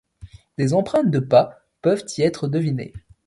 Des empreintes de pas peuvent y être devinées.